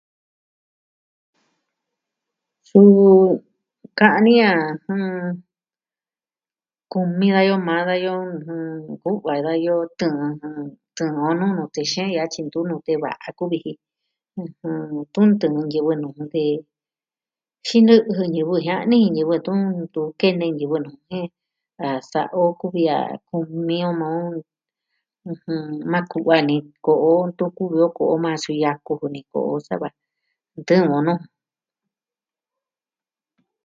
Suu ka'an ni a kumi dayo maa dayo nku'va dayoo tɨɨn, tɨɨn o nuu nute xeen ya'a tyi ntu nute va'a kuvi ji. Tun ntɨɨn ñivɨ nuu jun de, xinɨ'ɨ jɨ ñivɨ jia'ni jin ñivɨ tun tu kene ñivɨ nuu jen. A sa'a o kuvi a kumi o maa o ma ku'va ni. Ko'o tu kuvi o ko'o o maa su yaku kuni ko'o sava ntɨɨn o nɨ.